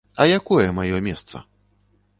А якое маё месца?